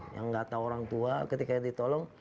yang nggak tahu orang tua ketika ditolong